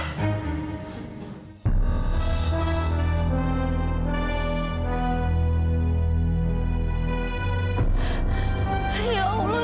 taufan ada disitu pak